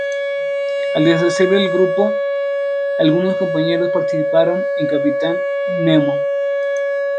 Al deshacerse el grupo, algunos compañeros participaron en Captain Nemo.